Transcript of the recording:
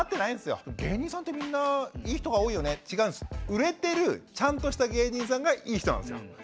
売れてるちゃんとした芸人さんがいい人なんですよ。